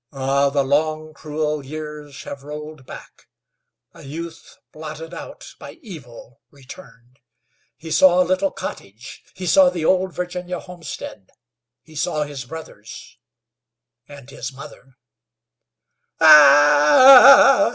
Ah! the long, cruel years have rolled back. A youth blotted out by evil returned. He saw a little cottage, he saw the old Virginia homestead, he saw his brothers and his mother. "Ah h!"